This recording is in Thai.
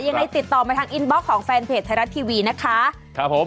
ยังไงติดต่อมาทางอินบล็อกของแฟนเพจไทยรัฐทีวีนะคะครับผม